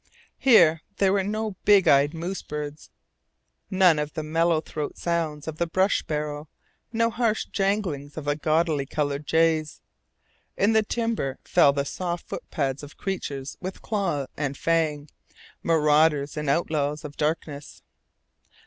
Here there were no big eyed moose birds, none of the mellow throat sounds of the brush sparrow, no harsh janglings of the gaudily coloured jays. In the timber fell the soft footpads of creatures with claw and fang, marauders and outlaws of darkness.